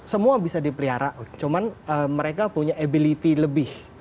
semua bisa dipelihara cuman mereka punya ability lebih